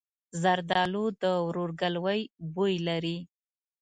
زردالو د ورورګلوۍ بوی لري.